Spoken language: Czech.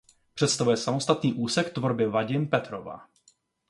Představuje samostatný úsek tvorby Vadim Petrova.